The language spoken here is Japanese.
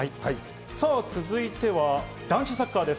続いては男子サッカーです。